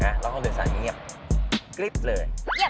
นะแล้วเขาเลยสั่งเงียบกลิ๊บเลยอียับ